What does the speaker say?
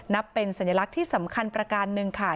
นับเป็นสัญลักษณ์ที่สำคัญประการหนึ่งค่ะ